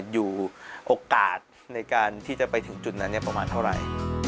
โอกาสในการที่จะไปถึงจุดนั้นประมาณเท่าไหร่